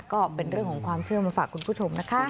ก็เป็นเรื่องของความเชื่อมาฝากคุณผู้ชมนะคะ